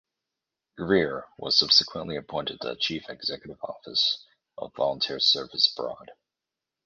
Greer was subsequently appointed the chief executive office of Volunteer Service Abroad.